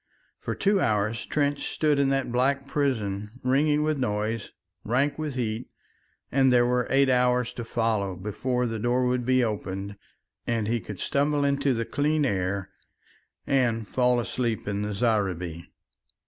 For two hours Trench stood in that black prison ringing with noise, rank with heat, and there were eight hours to follow before the door would be opened and he could stumble into the clean air and fall asleep in the zareeba.